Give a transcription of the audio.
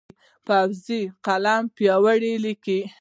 پوخ قلم پیاوړی لیکي